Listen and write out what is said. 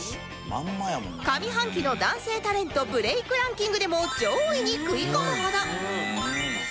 上半期の男性タレントブレイクランキングでも上位に食い込むほど！